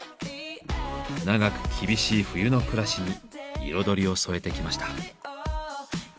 長く厳しい冬の暮らしに彩りを添えてきました。